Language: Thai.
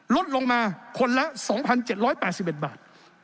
ลดลงมาคนละ๒๗๘๑บาท